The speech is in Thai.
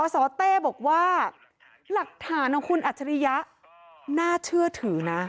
สเต้บอกว่าหลักฐานของคุณอัจฉริยะน่าเชื่อถือนะ